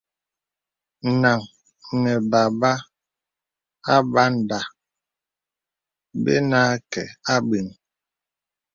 Nang nə̀ bābà Abanda bə̀ nâ kə̀ abə̀ŋ.